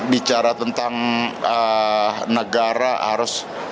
bicara tentang negara harus